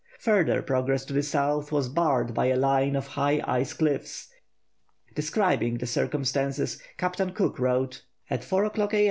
Further progress to the south was barred by a line of high ice cliffs. Describing the circumstances Captain Cook wrote: "At four o'clock A.